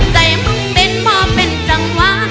ใจยังต้องเต้นพอเป็นจังหวะ